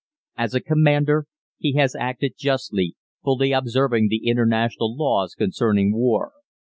"As a commander, he has acted justly, fully observing the international laws concerning war.